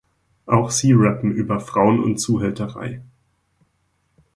Auch sie rappen über Frauen und Zuhälterei.